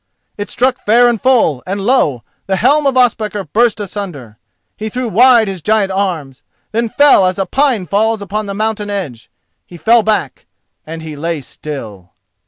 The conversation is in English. It struck fair and full, and lo! the helm of Ospakar burst asunder. He threw wide his giant arms, then fell as a pine falls upon the mountain edge. He fell back, and he lay still.